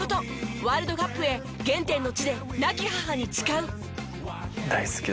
ワールドカップへ原点の地で亡き母に誓う！